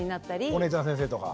お姉ちゃん先生とか。